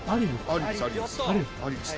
ありです、ありです。